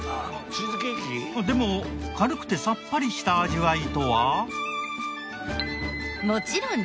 でも軽くてさっぱりした味わいとは？